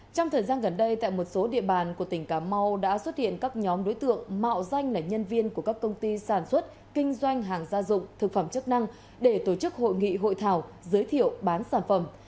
trong thời gian gần đây tại một số địa bàn của tỉnh cà mau đã xuất hiện các nhóm đối tượng mạo danh là nhân viên của các công ty sản xuất kinh doanh hàng gia dụng thực phẩm chức năng để tổ chức hội nghị hội thảo giới thiệu bán sản phẩm